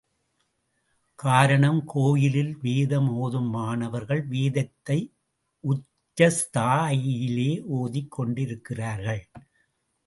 காரணம் கோயிலில் வேதம் ஓதும் மாணவர்கள் வேதத்தை உச்சஸ்தாயியிலே ஓதிக் கொண்டிருக்கிறார்கள்.